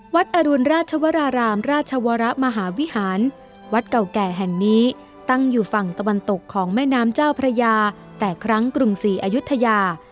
อรุณราชวรารามราชวรมหาวิหารวัดเก่าแก่แห่งนี้ตั้งอยู่ฝั่งตะวันตกของแม่น้ำเจ้าพระยาแต่ครั้งกรุงศรีอายุทยา